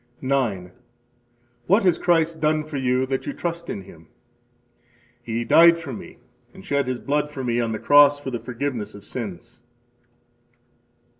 9. What has Christ done for you that you trust in Him? He died for me and shed His blood for me on the cross for the forgiveness of sins.